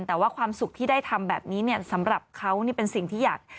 แต่ว่าความสุขที่ได้ทำแบบนี้เนี่ยสำหรับเขานี่เป็นสิ่งที่อยาก